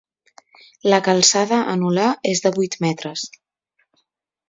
La calçada anular es de vuit metres.